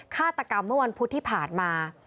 ฆาตกรรมเมื่อวันพุธที่ผ่านมา